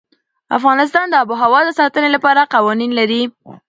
افغانستان د آب وهوا د ساتنې لپاره قوانين لري.